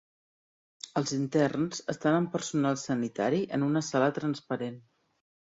Els interns estan amb personal sanitari en una sala transparent.